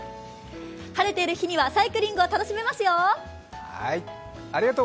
晴れている日にはサイクリングを楽しめますよ。